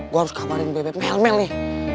gue harus kabarin bebek mel nih